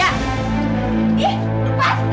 aku mau jalan sendiri